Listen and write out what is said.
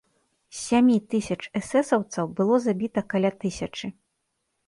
З сямі тысяч эсэсаўцаў было забіта каля тысячы.